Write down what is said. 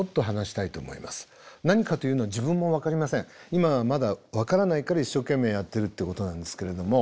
今はまだ分からないから一生懸命やってるってことなんですけれども。